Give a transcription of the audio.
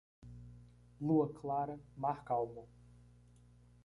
Lua clara, mar calmo.